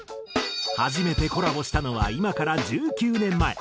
初めてコラボしたのは今から１９年前。